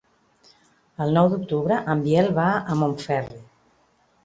El nou d'octubre en Biel va a Montferri.